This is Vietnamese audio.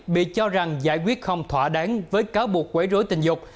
bị cho rằng giải quyết không thỏa đáng với cáo buộc quấy rối tình dục